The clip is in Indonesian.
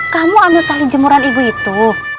kamu ambil tali jemuran ibu itu